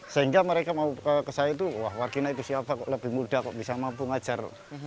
sehingga mereka mau ke saya itu wah warkina itu siapa kok lebih muda kok bisa mampu mengajar orang tua